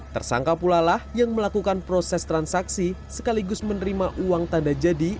tersangka pula lah yang melakukan proses transaksi sekaligus menerima uang tanda jadi